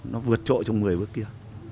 nó vượt trội trong người bước kia